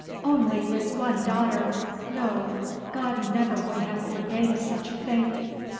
Only this one daughter! No! God never would have ordained such a thing.